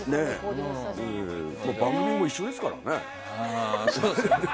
番組も一緒ですからね。